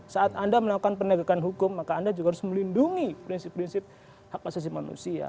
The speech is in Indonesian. saat anda melakukan penegakan hukum maka anda juga harus melindungi prinsip prinsip hak asasi manusia